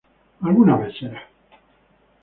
Alguna vez será.